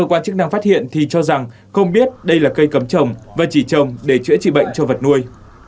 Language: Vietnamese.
cơ quan chức năng phát hiện thì cho rằng không biết đây là cây cấm trồng và chỉ trồng để chữa trị bệnh cho vật nuôi